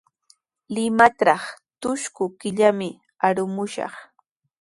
Limatraw trusku killami arumushaq.